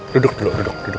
duduk dulu duduk